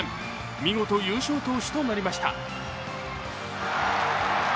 見事、優勝投手となりました。